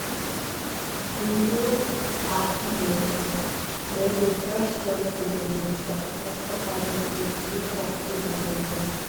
Simple, hearty meals made with fresh local ingredients that reflect the province's geographical diversity.